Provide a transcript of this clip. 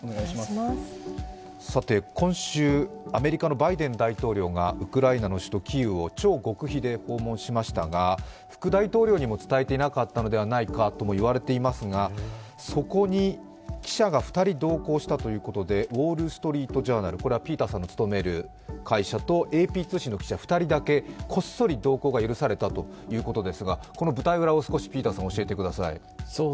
さて、今週、アメリカのバイデン大統領がウクライナの首都キーウを超極秘で訪問しましたが、副大統領にも伝えていなかったのではないかと言われておりますがそこに記者が２人同行したということで「ウォール・ストリート・ジャーナル」これはピーターさんが勤める会社とＡＰ通信の記者２人だけこっそり同行が許されたということですが、この舞台裏を少しピーターさん教えてください。